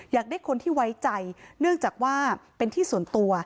อยากได้คนที่ไว้ใจเนื่องจากว่าเป็นที่ส่วนตัว